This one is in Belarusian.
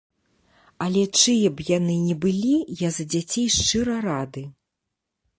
Але чые б яны ні былі, я за дзяцей шчыра рады.